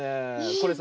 これさ